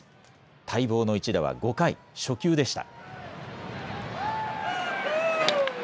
待望の１打は５回、初球でした。